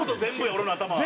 俺の頭は。